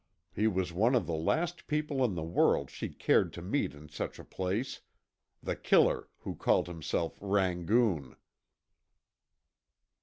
He was one of the last people in the world she cared to meet in such a place the killer who called himself Rangoon.